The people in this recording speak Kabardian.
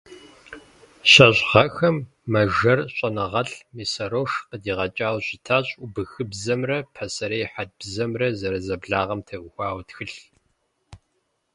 ЩэщӀ гъэхэм мэжэр щӀэныгъэлӀ Мессарош къыдигъэкӀауэ щытащ убыхыбзэмрэ пасэрей хьэт бзэмрэ зэрызэблагъэм теухуа тхылъ.